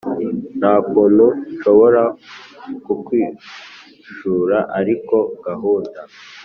nta kuntu nshobora kukwishura, ariko gahunda